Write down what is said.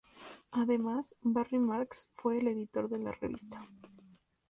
Además, Barry Marx fue el editor de la revista.